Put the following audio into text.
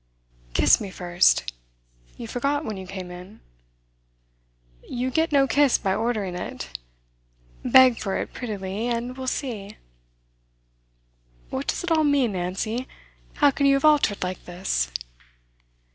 'Kiss me first. You forgot when you came in.' 'You get no kiss by ordering it. Beg for it prettily, and we'll see.' 'What does it all mean, Nancy? How can you have altered like this?